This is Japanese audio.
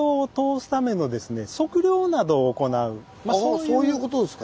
ああそういうことですか。